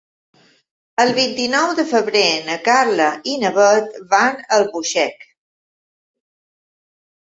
El vint-i-nou de febrer na Carla i na Bet van a Albuixec.